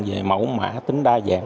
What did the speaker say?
về mẫu mã tính đa dạng